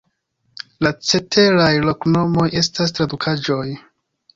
La ceteraj loknomoj estas tradukaĵoj.